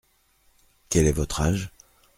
Quel est votre âge ?